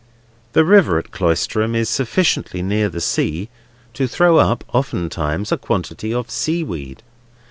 The river at Cloisterham is sufficiently near the sea to throw up oftentimes a quantity of seaweed.